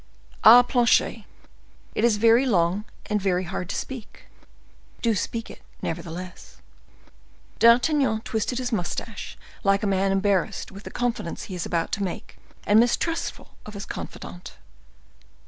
"Ah! Planchet, it is very long and very hard to speak." "Do speak it, nevertheless." D'Artagnan twisted his mustache like a man embarrassed with the confidence he is about to make and mistrustful of his confidant.